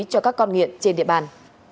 cho các con nghiện trên địa bàn